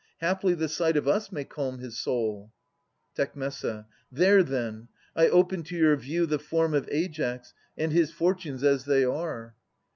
Haply the sight of us may calm his soul. Tec. There, then ; I open to your view the form Of Aias, and his fortunes as they are.